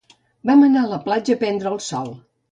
Vam anar a la platja a prendre el sol.